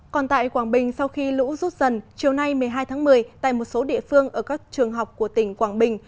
còn tại quảng bình sau khi lũ rút dần chiều nay một mươi hai tháng một mươi tại một số địa phương ở các trường học của tỉnh quảng bình